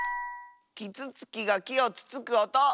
キツツキがきをつつくおと！